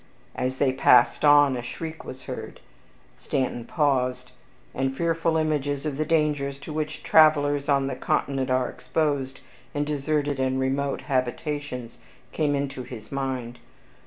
As they passed on, a shriek was heard. Stanton paused, and fearful images of the dangers to which travelers on the Continent are exposed in deserted and remote habitations, came into his mind.